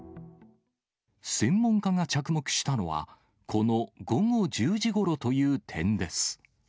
専門家が着目したのは、この午後１０時ごろという点です。